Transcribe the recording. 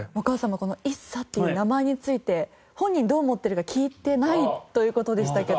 この「一茶」っていう名前について本人どう思ってるか聞いてないという事でしたけど。